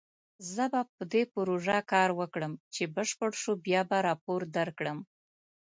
زه به په دې پروژه کار وکړم، چې بشپړ شو بیا به راپور درکړم